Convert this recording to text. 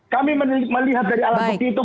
kami melihat dari alat bukti itu